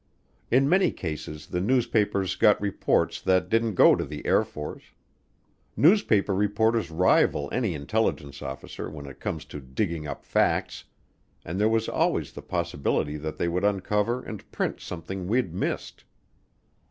In many cases the newspapers got reports that didn't go to the Air Force. Newspaper reporters rival any intelligence officer when it comes to digging up facts, and there was always the possibility that they would uncover and print something we'd missed.